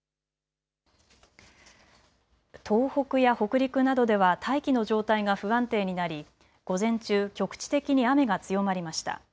東北や北陸などでは大気の状態が不安定になり、午前中、局地的に雨が強まりました。